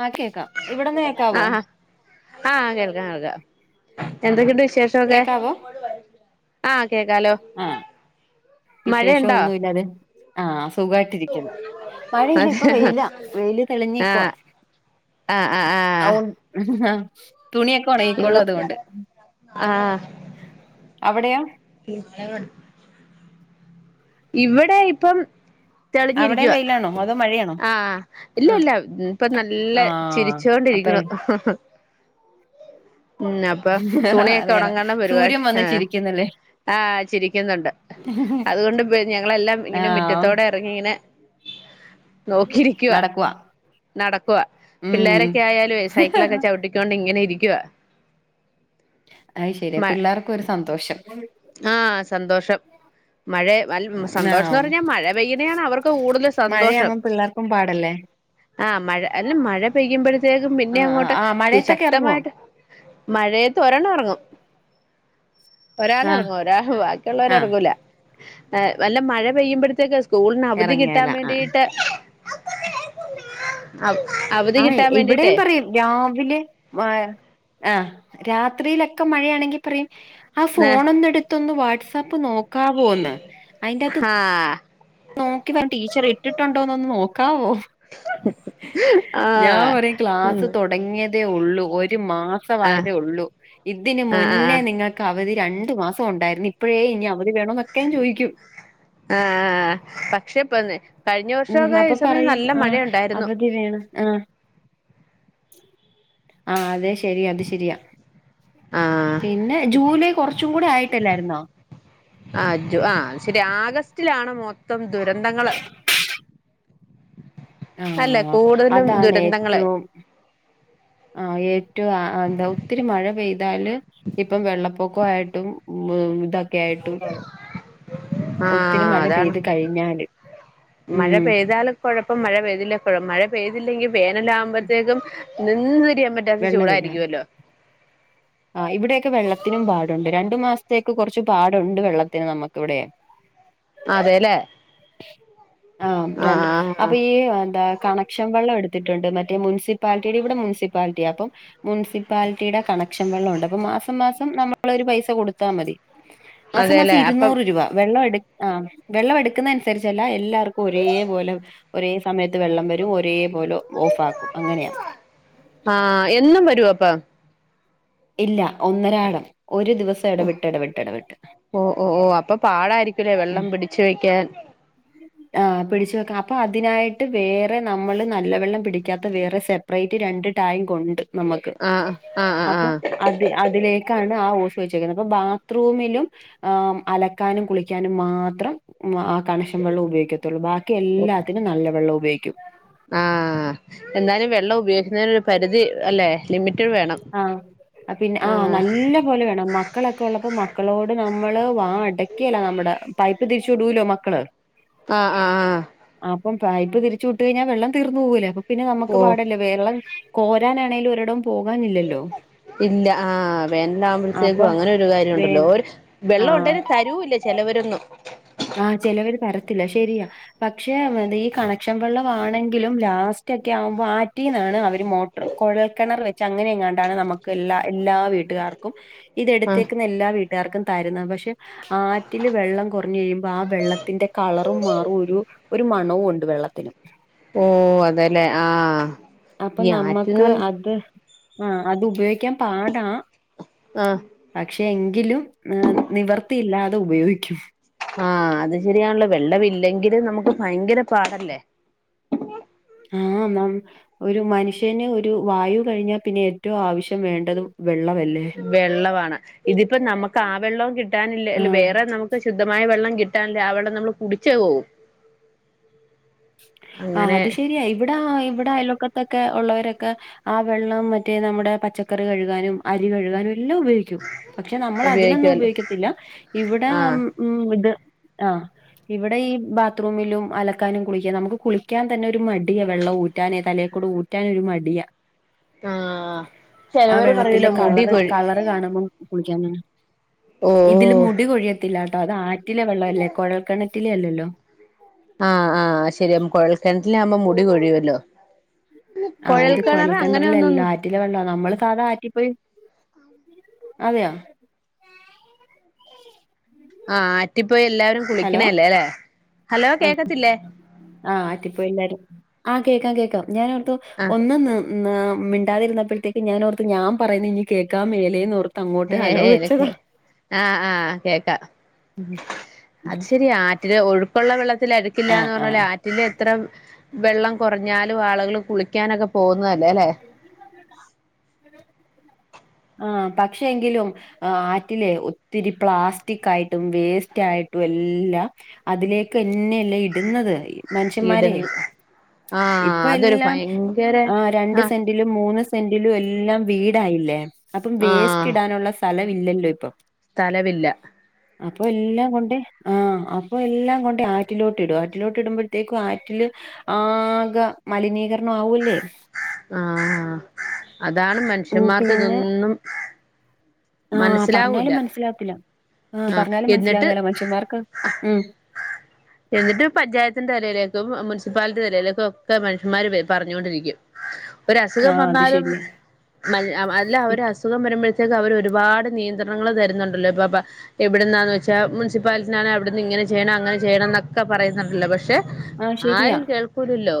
ആഹ് കേക്കാം ഇവിടെന്ന് കേക്കാവോ ആഹ ആ കേൾക്കാം കേൾക്കാം എന്തൊക്കെണ്ട് വിശേഷം കേക്കാവോ കേക്കാലോ ആഹ വിശേഷം മഴയുണ്ടോ ഒന്നുല്ലതെ ആ സുഖായിട്ടിരിക്കുന്നു മഴയില്ല അതെ ഇപ്പൊ വെയിലാ വെയില് തെളിഞ്ഞിക്കുവാ ആഹ്ആഹ്ആഹ് ഉഹും ഹാ തുണിയൊക്കെ ഒണങ്ങിക്കോളും അതുകൊണ്ട് അവിടെയോ [unintelligible] ങ്ങളെ ക ഇവിടെ ഇപ്പം അവിടെയും തെളിഞ്ഞിരിക്കുവ വെയിലാണോ അതോ മഴയാണോ ആഹ് ഇല്ല ആഹ് ഇല്ല ഇപ്പൊ നല്ല ആഹ് ചിരിച്ചുകൊണ്ടിരിക്കുണു അപ്പഴ് ഉ ഹുഹു ഉം അപ്പൊ തുണിയൊക്കെ നേരാ ഉണങ്ങ്ണ പരിപാടി സൂര്യൻ വന്ന് ആഹ് ചിരിക്കുന്നല്ലേ ആ ചിരിക്കുന്നുണ്ട് അതുകൊണ്ട് പേ ഞങ്ങളെല്ലാം ഇങ്ങനെ ആഹ് മിറ്റത്തോടെ [unintelligible] നെ നോക്കിരിക്കുവാ നടക്കുവാ നടക്കുവ ഉം പിള്ളോരൊക്കെ ആയാലുവെ സൈക്കിളൊക്കെ ചവിട്ടി ക്കോ ണ്ട് ഇങ്ങനെ ഇരിക്കുവ അയ് ശരി പിള്ളേർക്കൊരു സന്തോഷം ആഹ സന്തോഷം മഴ വ സന്തോഷംന്ന് ആഹ് പറഞ്ഞാ മഴ പെയ്യ്ണേ ആണ് അവർക്ക് കൂടുതൽ സന്തോഷം ഒപ്പം പാടല്ലേ ആഹ മഴ അല്ല മഴ പെയ്യുമ്പോഴത്തേക്കും പിന്നെ ആഹ് ആഹ് അങ്ങോട്ട് ആഹ് മഴയത്തൊക്കെ ഇറങ്ങുവോ ശക്തമായിട്ട് മഴയത്ത് ഒരെണ്ണം എറങ്ങും ഒരാള് ആഹ് എറങ്ങ് ഒരാഹ് ആഹ് ബാക്കിയുള്ളവരെറങ്ങൂല നല്ല മഴ പെയ്യുമ്പോഴത്തേക്ക് സ്കൂൾന് അവധി ഇറങ്ങേല കിട്ടാൻ ആ വേണ്ടീട്ട് അവ അവധി ആഹ് കിട്ടാൻ വേണ്ടിട്ടേ ഇവിടെയും പറയും രാവിലെ മഴ ആ രാത്രിയിലൊക്കെ മഴയാണെങ്കി പറയും ആ ഫോൺ ആഹ് ഒന്ന് എടുത്തൊന്ന് വാട്സ്ആപ്പ് നോക്കാവോ ഒന്ന് അയിന്റാത്ത് ആഹ് നോക്കി വാ ടീച്ചർ ഇട്ടിട്ടുണ്ടോന്നൊന്ന് നോക്കാവോ ഞാൻ ആഹ് പറയും ക്ലാസ്സ് തുടങ്ങിയതേ ഉള്ളൂ ഒരു മാസം ആഹ് ആയതേ ഉള്ളൂ ഇതിന് ആഹ് മുന്നേ ആഹ് നിങ്ങൾക്ക് ക്കവധി രണ്ടു മാസം ഉണ്ടായിരുന്നു ഇപ്പോഴേ ഇനി അവധി വേണോന്നൊക്കെ ഞാൻ ചോയ്ക്കും ആഹ് ആഹ് പക്ഷെ ഇപ്പോ കഴിഞ്ഞ വർഷമൊക്കെ ഈ സമയം നല്ല മഴ ഉണ്ടായിരുന്നു പിന്നെയാ മ് ആഹ് അതെ ശരി അത് ശരിയാ ആഹ് പിന്നെ ജൂലൈ കുറച്ചും കൂടി ആയിട്ടല്ലായിരുന്നോ ആഹ് ജു ആഹ് ശരിയാ ആഗസ്റ്റിലാണ് മൊത്തം ദുരന്തങ്ങള് അല്ല ആഹ് കൂടുതലും അതാണ് ദുരന്തങ്ങള് ഏറ്റവും ആഹ് ഏറ്റവും ആ എന്താ ഒത്തിരി മഴ പെയ്താല് ഇപ്പം വെള്ളപ്പൊക്കായിട്ടും മ്മ് ഇതൊ തൊക്കെയായിട്ടും ഒത്തിരി ആഹ് മഴ അതാണ് പെയ്ത് കഴിഞ്ഞാല് മഴ മ്മ് പെയ്താലും കുഴപ്പം മഴ പെയ്തില്ലെ കുഴപ്പം മഴ പെയ്തില്ലെങ്കിൽ വേനലാകുമ്പോഴത്തേക്കും നിന്ന് തിരിയാൻ പറ്റാത്ത വെള്ളമില്ല ചൂടായിരിക്കുവല്ലോ ആഹ് ഇവിടെയൊക്കെ വെള്ളത്തിനും പാടുണ്ട് രണ്ടു മാസത്തെക്ക് കുറച്ച് പാടുണ്ട് വെള്ളത്തിന് നമുക്ക് ഇവിടെയെ അതെല്ലേ ആഹ് രണ്ട് ആഹ് അപ്പൊ ഈ എന്താ കണക്ഷൻ വെള്ളം എടുത്തിട്ടുണ്ട് മറ്റേ മുനിസിപ്പാലിറ്റിയുടെ ഇവിടെ മുസിപ്പാലിറ്റിയ അപ്പം മുനിസിപ്പാലിറ്റിയുടെ ക ണക്ഷൻ വെള്ളം ഉണ്ട് അപ്പൊ മാസം മാസം നമ്മളൊരു പൈസ കൊടുത്താൽ മതി മാസം മാസം അതെല്ലേ അപ്പം ഇരുന്നൂറ് രൂപ വെള്ളം എടു ആഹ് വെള്ളം എടുക്കുന്ന അനുസരിച്ചല്ല എല്ലാവും ക്കും ഒരേ പോലെ ഒരേ സമയത്ത് വെള്ളം വരും ഒരേ പോലെ ഓഫ് ആക്കും അങ്ങനെയ ആഹ് എന്നും വരുവോ അപ്പോ ഇല്ല ഒന്നരാടം ഒരു ദിവസം ഓഹ് ഇടവിട്ട് ഇടവിട്ട് ഇടവിട്ട് ഓ ഓ ഓ അപ്പൊ പാടായിരിക്കൂല്ലേ വെള്ളം പിടിച്ച് വെക്കാൻ [unintelligible] ആ പിടിച്ച് വെക്കാം അപ്പൊ അതിനായിട്ട് വേറെ നമ്മള് നല്ല വെള്ളം പിടിക്കാത്ത വേറെ സെ പ്പറേറ്റ് രണ്ട് ടാങ്ക് ഉണ്ട് നമ്മുക്ക് ആഹ് ആഹ് അപ്പൊ ആഹ് അത് അതിലേക്കാണ് ആ ഓസ് വെച്ചേക്കുന്നത് അപ്പൊ ബാത്റൂമിലും ആഹ് അലക്കാനും കുളിക്കാനും മാത്രം മ്അ കണക്ഷൻ വെള്ളം ഉപയോഗിക്കത്തുള്ളൂ ബാക്കി ആഹ് എല്ലാത്തിനും നല്ല വെള്ളം ഉപയോഗിക്കും ആഹ് എന്തായാലും വെള്ളം ഉപയോഗിക്കുന്നതിന് ഒരു പരിധി അല്ലേ ലിമിറ്റ് വേണം ആഹ് പിന്നെ ആഹ് നല്ല പോലെ വേണം മക്കളൊക്കെ ഉള്ളപ്പോ മക്ക മക്കളോട് നമ്മള് വാ അടക്കേല്ല നമ്മുടെ പൈപ്പ് തിരിച്ചു വിടൂലോ മക്കള് ആഹ് ആഹ് ആഹ് അപ്പം പൈപ്പ് തിരിച്ച് വിട്ട് കഴിഞ്ഞാ വെള്ളം തീർന്ന് പോകൂല്ലേ അപ്പ പിന്നെ നമുക്ക് ഓഹ് പാടല്ലെ വെള്ളം കോരാനാണെങ്കിലും ഒരെടം പോകാനില്ലല്ലോ ഇല്ല ആഹ് വേനല് അപ്പൊ ആകുമ്പോഴെക്കും അങ്ങനെ ഒരു കാര്യം വേ ഉണ്ടല്ലോ വെള്ളം ഉണ്ടേലും ആഹ് തരൂല്ല ചിലവരൊന്നും ആഹ് ചിലവര് തരത്തില്ല ശരിയാ പക്ഷെ ഈ കണക്ഷൻ വെള്ളം ആണെങ്കിലും ലാസ്റ്റ് ഒക്കെ ആകുമ്പോ ആറ്റീന്നാണ് അവര് മോ കുഴൽക്കിണർ വെച്ച് അങ്ങനെ എങ്ങാണ്ടാണ് നമുക്ക് എല്ലാ എല്ലാ വീട്ടുകാർക്കും ഇത് ആഹ് എടുത്തേക്കുന്ന എല്ലാ വീട്ടുകാർക്കും തരുന്നെ പക്ഷെ ആറ്റില് വെള്ളം കുറഞ്ഞു കഴിയുമ്പോ ആ വെള്ളത്തിന്റെ കളറും മാറും ഒരു ഒരു മണവും ഉണ്ട് വെള്ളത്തിന് ഓഹ് അതെല്ലേ ആഹ് അപ്പൊ ഈ ആറ്റ്ന്ന് നമ്മുക്ക് പറഞ്ഞ അത് ആഹ് അത് ഉപയോഗിക്കാൻ പാടാ ആഹ് പക്ഷെ എങ്കിലും മ് നിവർത്തിയില്ലാതെ ഉപയോഗിക്കും ആഹ് അത് ശരിയാണല്ലോ വെള്ളമില്ലെങ്കില് നമുക്ക് ഭയങ്കര പാടല്ലേ ആഹ് നം- ഒരു മനുഷ്യന് ഒരു വായു കഴിഞ്ഞാ പിന്നെ ഏറ്റവും ആവശ്യം വേണ്ടത് വെള്ളവല്ലേ? വെള്ളവാണ് ഇതിപ്പം നമക്ക് ആ വെള്ളും കിട്ടാനില്ല ല്ല ആഹ് വേറെ നമുക്ക് ശുദ്ധമായ വെള്ളം കി- ട്ടാന്ത അവിടെ നമ്മള് കുടിച് പോവും. ആ അങ്ങനെ അത് ശരിയാ ഇവിടാ ഇവിടെ അയലോക്കത്തൊക്കെ ഉള്ളരൊക്കെ. ആ വെള്ളം മറ്റേ നമ്മുടെ പച്ചക്കറി കഴുകാനും അരി കഴുകാനും എല്ലാം ഉപയോഗി- ക്കും പക്ഷെ നമ്മളതിനൊന്നും ഉപയോഗിക്കുവല്ലോ ഉപയോഗിക്കത്തില്ല ഇവിടെ ആ ആഹ് ഉം. ഉം ഇത് ആ ഇവിടെ ഈ ബാത്റൂമിലും അലക്കാനും കുളി- യ നമക്ക് കുളിക്ക്യാൻ തന്നെ ഒരു മടിയാ വെള്ളം ഊറ്റാനെ തലേെക്കൂടെ ഊറ്റാൻ ഒരു മടിയാ. ആഹ് ആ ചെലവര് വെള്ളത്തിന്റെ പറയൂലോ മുടി കളറ് കൊഴി കളറ് കാണുമ്പോ - കുളിക്ക്യാൻ [unintelligible] ഓ ഇതില് മുടി കൊഴിയത്തില്ല ട്ടോ അതാറ്റിലെ വെള്ളവല്ലേ കുഴൽക്കണ. റ്റിലല്ലല്ലോ. ആഹ് ആഹ് ശരിമ് കൊഴൽക്കിണറ്റിലാകുമ്പം മുടി കൊഴിയുവല്ലോ. അ് കൊഴൽ കിണറ് അങ്ങനെ ന്നും- റ്റില വെള്ള നമ്മള് സാധാ ആറ്റിപ്പോയി അതെയോ? ആഹ ആറ്റിപ്പോയി എല്ലാവരും ഹലോ കുളിക്കണല്ലേ ല്ലെ. ഹലോ കേക്കത്തില്ലേ? ആഹ് ആറ്റിപ്പയില്ലരും ആഹ കേക്കാം കേക്കാം ഞാനൊടുത്തു ആഹ് ഒന്നുന്ന്- ഉം ആ മിണ്ടാതിരുന്നപ്പഴത്തേക്ക് ഞാനോർത്ത് ഞാ പറയുന്നിനി കേക്കാ മേലേന്നോർ അങ്ങോട്ട് ഹലോ വെച്ചതാ. ഏലക്കെ ആഹ് ആഹ് കേക്ക അത് ശെരിയാ ആറ്റില് ഒഴുക്കുള്ള വെള്ള റ്റിലഴുക്കില്ലന്ന് പറഞ്ഞല് ആ- റ്റിലത്രം വെള്ളം കൊർഞ്ഞാലു ആളുകള് കുളിക്കാനൊക്കെ പോവുന്നതല്ലേ ല്ലേ? [inaudible] [inaudible] ആഹ് പക്ഷെങ്കിലും. ആഹ് ആറ്റിലെ ഒത്തിരി പ്ലാസ്റ്റി കാ യിട്ടും വേസ്റ്റായിട്ടും എല്ലാ- അതിലേക്കെന്നെയല്ലെ ഇടുന്നത് മൻഷ്യന്മാര ഇടുന്ന് ഇപ്പ ആഹ് അതൊരു എല്ലാം ഭയങ്കര ആ രണ്ട് സ്- ആഹ് ൻ്റിലും മൂന്ന് സെൻ്റിലു വെല്ലാ വീടായില്ലേ? അപ്പ വേസ്റ്റിടാനുള്ള സ് സ്ഥല ഇല്ലല്ലോ ഇപ്പൊ. തലവില്ല. അപ്പൊ എല്ലാം കൊണ്ട് ആ അപ്പൊ എല്ലാം കൊണ്ട് ആറ്റിലോട്ടിടും ആറ്റിലോട്ടിടുമ്പോഴത്തേക്കും ആറ്റില്- ഹ ആകെ മലിനീകരണം ആവുല്ലേ? ആഹ് ആഹ് അതാണ് ഉം മനുഷ്യന്മാർക്ക് പിന്നെ തൊന്നും. ആഹ് മനസ്സിലാവൂല്ല പറഞ്ഞാലും മനസ്സിലാവത്തില്ല ആഹ് ആഹ പറഞ്ഞാലും എന്നിട്ട്- മനസ്സിലാകേല മനുഷ്യന്മാർക്ക് ക്രാ.. ഉം എന്നിട്ട് പഞ്ചായത്തിന്റെ തിലയിലേക്കും മുനിസിപ്പാലിറ്റി തിലയിലേക്കും ഒക്കെ മനുഷ്യന്മാര് വെ പർ ഞ്ഞോണ്ടിരിക്കും. ഒരസുഖം ആഹ് അത് വന്നാലും ശരിയാ മൽ അ അല്ല അസുഖം വരുമ്പോഴത്തേക്ക് അവര് ഒരു. വാട് നിയന്ത്രണങ്ങൾ തരുന്നുണ്ടല്ലോ ഇപ്പ പ്പ. എവിടുന്നാന്ന് വെച്ചാ മുനിസിപ്പാലിറ്റിനാണ് അവിട്ന്ന് ഇങ്ങനെ ചെയ്യണം അങ്ങനെ ചെയ്യണം ന്നൊക്കെ പറയുന്നുണ്ടല്ല പക്ഷെ- ആ ശരിയാ ആരും കേൾക്കൂലല്ലോ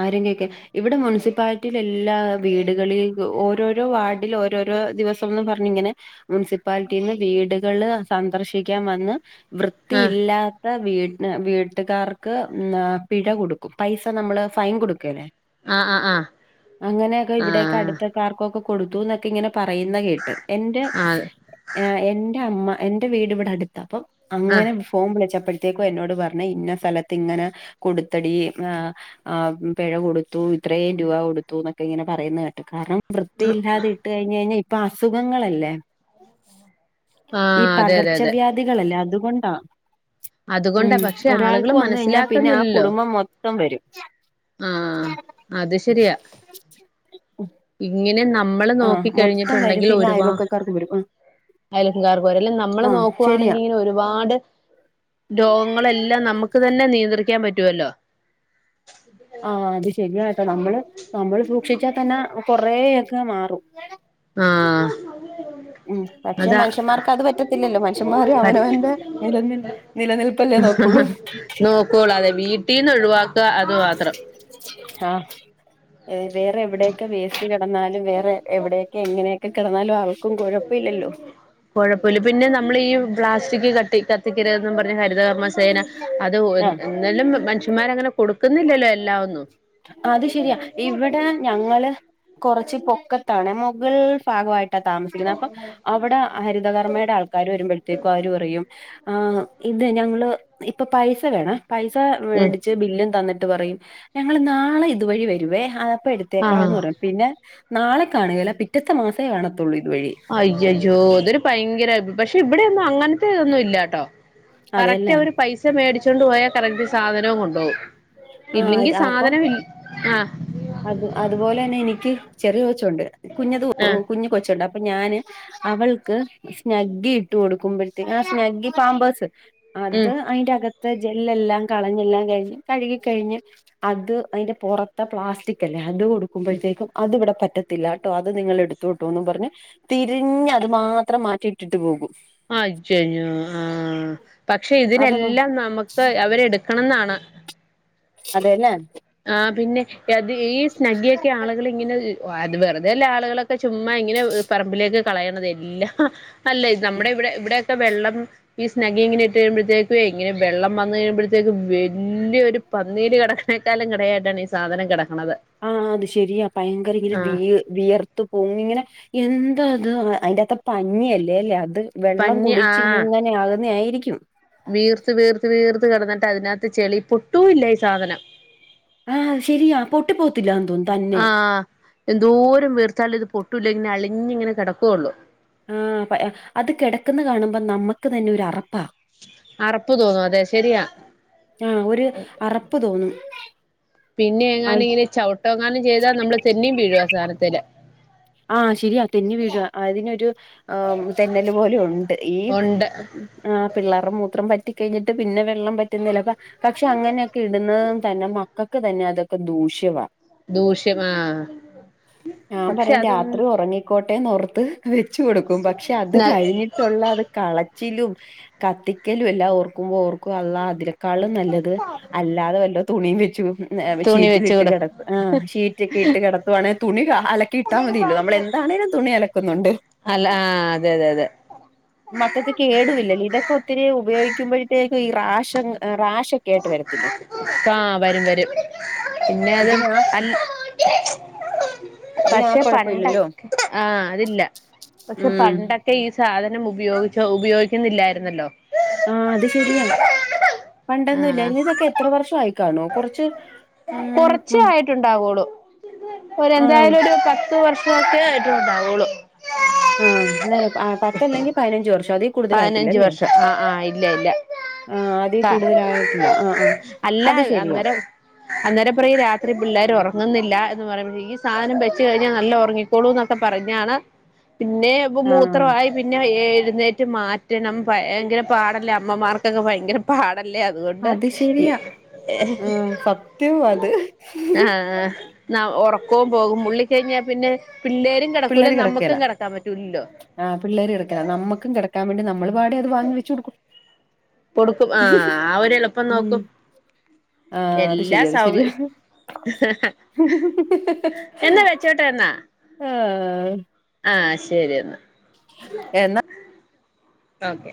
ആരും കേ ക്കെ ഇവിടെ മുനിസിപ്പാലിറ്റിയില് എല്ലാ വീടുകളിൽ ഓരോരോ വാർഡിൽ ഓരോരോ ദിവസംന്ന്പറഞ്ഞിങ്ങനെ പറഞ്ഞിങ്ങനെ മുനിസിപ്പാലിറ്റീ ന്ന് വീടുകള് സന്ദർശിക്കാൻ വന്ന് വൃ ത്തി ആഹ് ഇല്ലാത്ത വീട്ട വീട്ടുകാർ ക്ക് പിഴ കൊടുക്കും പൈസ നമ്മള് ഫൈൻ കൊടുക്കേ ലെ ആഹ് ആഹ് അങ്ങനെയൊക്കെ ഇവിടേ ക്കെ ആഹ് അടുത്തക്കാർക്കൊക്കെ കൊടുത്തു എന്നൊക്കെ ഇങ്ങനെ പറയുന്ന കേട്ട് എന്റെ ആഹ് ആഹ് എന്റെ അമ്മ എന്റെ വീട് ഇവിടെ അടുത്ത അപ്പം ആഹ് അങ്ങനെ ഫോൺ വിളിച്ചപ്പോഴത്തേക്കും എന്നോട് പറഞ്ഞു ഇന്ന സ്ഥലത്ത് ഇങ്ങനെ കൊടുത്തെ ടി ആ ആ പിഴ കൊടുത്തു ഇത്രയും രൂപ കൊടുത്തു എന്നൊക്കെ ഇങ്ങനെ പറയുന്ന കേട്ട് കാരണം വൃത്തിയില്ലാതെ ഇട്ട് കഴിഞ്ഞ ഴിഞ്ഞാൽ ഇപ്പൊ അസുഖങ്ങളല്ലേ ഈ ആഹ് അതെ അതെ അതെ പകർച്ചവ്യാധികളല്ലേ അതുകൊണ്ടാ അതുകൊണ്ടാ ഉം പക്ഷെ ആളുകൾ ഒരാൾക്ക് വന്ന് കഴിഞ്ഞാൽ പിന്നെ ആ മനസ്സിലാക്കുന്നില്ലല്ലോ കുടുംബം മൊത്തം വരും ആഹ അത് ശെരിയാ ഇങ്ങനെ നമ്മള് ആഹ് നോക്കി മൊത്തം വരും കഴിഞ്ഞിട്ടുണ്ടെങ്കിൽ പിന്നെ ഒരുവാ അയൽവക്കക്കാർക്ക് വരും ആഹ് അയലക്കകാർക്ക പോല്ലാം നമ്മെള് ആഹ് ശരിയാ നോക്കുവാണെങ്കിൽ ഇങ്ങനെ ഒരുപാട് രോഗങ്ങളെല്ലാം നമുക്ക് തന്നെ നിയന്ത്രിക്കാൻ പറ്റുവല്ലോ ആഹ് അത് ശരിയാട്ടോ കൊറൊയെക്കെ മാറും ആഹ ഉം പക്ഷെ മനുഷ്യന്മാർക്ക് അത് പറ്റത്തില്ലല്ലോ മനുഷ്യമാര് അവനവന്റെ നിലനിൽപ് നിലനിൽപ്പല്ലേ നോക്കോളൂ ഇപ്പോൾ അതെ വീട്ടിൽ നിന്ന് ഒഴിവാക്കുക അത് മാത്രം ആഹ വേറേ എവിടെ ഒക്കെ വേസ്റ്റ് കിടന്നാലും വേറെ എവടൊക്കെ എങ്ങനെ ഒക്കെ കെടന്നാലും കുഴപ്പഇല്ലല്ലോ കുഴപ്പമില്ല പിന്നെ നമ്മൾ ഈ പ്ലാസ്റ്റിക് കത്തി കത്തിക്കരുത്എന്നും പറഞ്ഞ ഹരിതകർമ്മസേന സേന അത് ഒ എന്നലും മനുഷ്യന്മാർ അങ്ങനെ കൊടുക്കുന്നില്ലല്ലോ എല്ലാം ഒന്നും അത് ശെരിയാ ഇവിടെ ഞങ്ങള് കുറച്ച് പൊക്കത്താണ് മുകൾ ഭാഗമായിട്ടാണ് താമസിക്കുന്ന് അപ്പൊ അവിടെ ഹരിതകർമ്മയുടെ ആൾക്കാര് വരുമ്പോഴത്തേക്കും അവര് പറയും ആ ഇത് ഞങ്ങൾ ഇപ്പൊ പൈസ വേണേ പൈസ ഉം മേടിച്ച് ബില്ലും തന്നിട്ട് പറയും ഞങ്ങൾ നാളെ ഇതുവഴി വരുവേ അപ്പ എടുക്കാം ആഹ് ത്തേക്കാന്ന് പറ പിന്നെ നാളെ കാണുകല്ല പിറ്റത്തെ മാസമേ കാണത്തുള്ളൂ ഇതുവഴി അയ്യയ്യോ ഇതൊരു ഭയങ്കര പക്ഷെ ഇവിടെയൊന്നും അങ്ങനത്തെ ഇതൊന്നും ഇല്ലാട്ടോ കറക്റ്റ് അതെല്ലേ അവര് പൈസ മേടിച്ചൊണ്ട് പോയാൽ കറക്റ്റ് സാധനോം കൊണ്ട് പോകും ആ ഇല്ലെങ്കിൽ ഇത് അപ്പൊ സാധനം ൽ ആഹ അത് അതുപോലെ തന്നെ എനിക്ക് ചെറിയ കൊച്ചുണ്ട് കുഞ്ഞത് ആഹ് കുഞ്ഞു കൊച്ചുണ്ട് അപ്പൊ ഞാൻ അവൾക്ക് സ്നഗ്ഗി ഇട്ട് കൊടുക്കുമ്പോഴത്തേ ആ സ്നഗ്ഗി പാമ്പേഴ്സ് അത് ഉം അയിന്റെകത്ത് ജെല്ലെല്ലാം കളഞ്ഞെല്ലാം കഴിഞ്ഞ് കഴുക കഴിഞ്ഞ് അത് അയിന്റെ പുറത്തെ പ്ലാസ്റ്റി അത് കൊടുക്കുമ്പോഴത്തേക്കുംഅത് ഇവിടെ പറ്റ ത്തില്ല കേട്ടോ അത് നിങ്ങൾ എടുത്തുട്ടോന്ന് പറഞ്ഞ് തിരിഞ്ഞ് അത് മാത്രം മാറ്റിയിട്ടിട്ട് പോകും അയ്യയ്യോ ആഹ പക്ഷെ അതൊന്നും ഇതിനെല്ലാം നമുക്ക് അവരെ എടുക്കണന്നാണ് അതേലെ ആ പിന്നെ അത് ഈ സ്നഗ്ഗിയൊക്കെ ആളുകൾ ഇങ്ങനെ അത് വെറുതെല്ലെ ആളുകളൊക്കെ ചുമ്മാ ഇങ്ങനെ പറമ്പിലേക്ക് കളയണത് അല്ല നമ്മുടെ ഇവിടെ ഇവിടൊക്കെ വെള്ളം ഈ സ്നഗി ഇങ്ങനെ ഇട്ട് കഴിയുമ്പോഴത്തേക്കും ഇങ്ങനെ വെള്ളം വന്നു കഴിയുമ്പോഴത്തേക്ക് വലിയ ഒരു പന്നീര് കിടക്കണ തലങ്കണ എഡണ ആഹ് അത് ശരിയാ ഭയങ്കരങ്ങര ആ വീർ വിയർത്തു പോങ്ങ ഇങ്ങനെ എന്താ അത് അതിന്റെറ അകത്ത് പഞ്ഞിയ അല്ലേ അല്ലേ അത് വെള്ളം പഞ്ഞി ആ കുടിച്ച് ഇങ്ങനെ ആകുന്നാ ആയിരിക്കും വീർത്ത് വീർത്ത് വീർത്ത് കിടന്നിട്ട് അതിനകത്ത് ചെളി പൊട്ടൂ ഇല്ല ഈ സാധനം ആഹ ശരിയാ പൊട്ടി പോവത്തില്ല തോന്നുന്നു തന്നെ ആ എന്തോരം വീർത്താൽ ഇത് പൊട്ടൂല്ല ഇങ്ങനെ അലിഞ്ഞു ഇങ്ങനെ കെട ക്കുള്ളു മ് അത് കിടക്കുന്ന കാണുമ്പോ നമ്മുക്ക് തന്നെ ഒരു അറപ്പാ അറപ്പ് തോന്നും അതെ ശരിയാ ആ ഒരു അറപ്പ് തോന്നും പിന്നെ എങ്ങാന ആയി ഇങ്ങനെ ചവിട്ട എങ്ങാനും ചെയ്താൽ നമ്മള് തെന്നിയും വീഴും ആ സാധനത്തില് ആഹ് ശരിയാ തെന്നി വീഴാ അതിനൊരു ആ തെന്നല് പോലെ ഉണ്ട് ഈ ഉണ്ട് ആ പിള്ളേർടെ മൂത്രം പറ്റി കഴിഞ്ഞിട്ട് പിന്നെ വെള്ളം പറ്റി പറ്റുന്നില്ലപ പക്ഷെ അങ്ങനെയൊക്കെ ഇടുന്നതും തന്നെ മക്കൾക്ക് തന്നെ അതൊക്കെ ദൂഷ്യവാ ദൂഷ്യമാ ഞാൻ പക്ഷെ പറയും അതും രാത്രി ഉറങ്ങിക്കോട്ടെന്നോർത്ത് വെച്ച് കൊടുക്കും പക്ഷെ അത് കഴിഞ്ഞി ട്ടുള്ള കളച്ചിലും കത്തിക്കലും എല്ലാം ഓർക്കുമ്പോ ഓർക്കും അള്ളാ അതി ക്കാ ളും നല്ലത് അല്ലാതെ വല്ലോ തുണിയും തുണി വെച്ചുഷീറ്റിൽ വെച്ച് ഇട്ട് കൊടുക്ക കിടക്കും ആ ഷീറ്റൊക്കെ ഇട്ട് കിട അതുവേണേൽ തുണികൾ അലക്ക ക്കി ഇട്ടാ മതിയല്ലോ നമ്മൾ എന്താണേലും തുണി അലക്കുന്നുണ്ട് അല്ല ആ അതെ അതെ അതെ മക്കൾക്ക് കേടുവില്ലല്ലോ ഇതൊക്കെ ഒത്തിരി ഉപയോഗിക്കുമ്പോഴത്തേക്കും ഈ റാഷങ് റാഷ കേട്ട് വരത്തില്ല ആ വരും വരും പിന്നെ അത് ഇതിന അല്ല ഇതിന ആക്ക പണ്ടക്കെ ആഹ് അതില്ല പക്ഷെ ഉം പണ്ട ക്കെ ഈ സാധനം ഉപയോഗിച്ച ഉപയോഗിക്കുന്നില്ലായിരുന്നല്ലോ ആ അത് ശരിയാ പണ്ടൊന്നുംല്ല ആ ഇനി ഇതൊക്കെ എത്ര വർഷ ആയിക്കാണോ കുറച്ച് ആഹ് കൊറച്ചെ ഉം ആയിട്ടു ണ്ടാവുളു ഒരു ആഹ് എന്തായാലും ഒരു പത്ത് വർഷഒ ക്കെ ആയിട്ട് ഉണ്ടാവുകയുള്ളൂ ആഹ് അന്നെ പത്തല്ലെങ്കിൽ പയി നഞ്ച് വർഷം അതി പതിനഞ്ച് വർഷം ആഹ ആഹ ഇല്ല ഇല്ല ആഹ് അതീ ആ കൂടുതലായിട്ടില്ല ആഹ് ആഹ് അല്ല അത് ശരിയാ അന്നേരം അന്നേരപ്പറയും രാത്രി പിള്ളേര് ഉറങ്ങുന്നില്ല എന്ന് പറയും പേ ഈ സാധനം വെച്ച് കഴിഞ്ഞൽ നല്ല ഉറങ്ങിക്ക ക്കോളും എന്നൊക്കെ പറഞ്ഞാണ് പിന്നെ ഇ ആഹ് മൂത്രമായി പിന്നെ എഴുന്നേറ്റ മാറ്റണം ഭയ ഭയങ്കര പാടല്ലേ അമ്മമാർക്കൊക്കെ ഭയങ്കര പാടല്ലേ അതുകൊണ്ട് അത് ശരിയാ ആഹ് സത്യവും അത് ആഹ് ഉറക്കവും പോകും മുള്ളി കഴിഞ്ഞാൽ പിന്നെ പിള്ളേരും കിടക്കൂല നമ്മുക്കും കിടക്കാൻ പറ്റൂല്ലോ ആ പിള്ളേര് കിടക്ക നമ്മക്കും കിടക്കാൻ വേണ്ടി നമ്മൾ പാടെ അത് വാങ്ങി വെച്ചു കൊടുക്കും കൊടുക്കും ആഹ ആ ഒരു എളുപ്പം ഉം നോക്കും ആഹ് അത് എല്ലാ ശരിയാ അത് ശരിയാ സൗകര്എന്നാ വെച്ചോട്ട ത്ത ന്ന ആഹ ആഹ ശരി എന്നാ എന്നാ അതെ